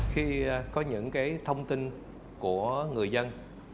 khi có những thông tin của người dân